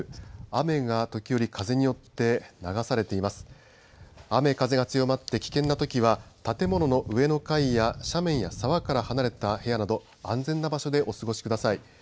雨、風が強まって、危険なときは建物の上の階や斜面や沢から離れた部屋など安全な場所でお過ごしください。